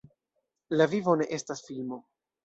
La vivo ne estas filmo.